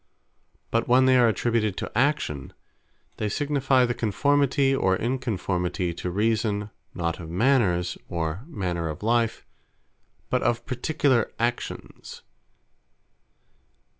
But when they are attributed to Actions, they signifie the Conformity, or Inconformity to Reason, not of Manners, or manner of life, but of particular Actions.